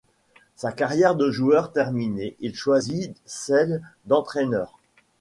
Sa carrière de joueur terminée, il choisit celle d'entraîneur.